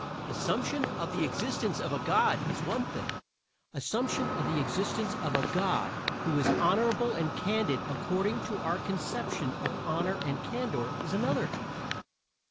Assumption of the existence of a God is one thing; assumption of the existence of a God who is honorable and candid according to our conception of honor and candor is another.